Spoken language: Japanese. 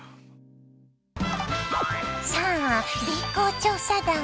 さあＢ公調査団。